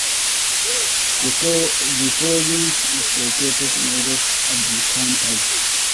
The Province is located northeast of the country.